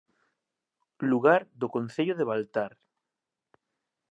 Lugar do Concello de Baltar